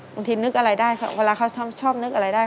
บางทีนึกอะไรได้เวลาเค้าชอบนึกอะไรได้